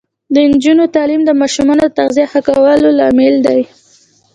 د نجونو تعلیم د ماشومانو تغذیه ښه کولو لامل دی.